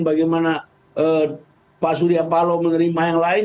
bagaimana pak surya palo menerima yang lain